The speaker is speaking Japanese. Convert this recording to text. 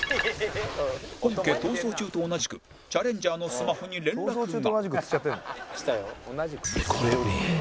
本家『逃走中』と同じくチャレンジャーのスマホに連絡が